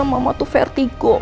mama tuh vertigo